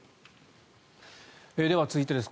では、続いてです。